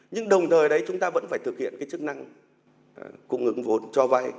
nhưng đồng thời đấy chúng ta vẫn phải thực hiện chức năng cung ứng vốn cho vai